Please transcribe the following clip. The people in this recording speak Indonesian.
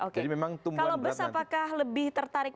kalau bus apakah lebih tertarik